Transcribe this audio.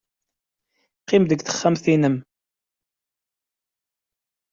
Qqim deg texxamt-nnem.